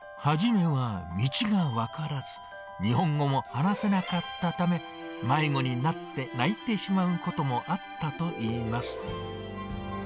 初めは道が分からず、日本語も話せなかったため、迷子になって泣いてしまうこともあったといいます。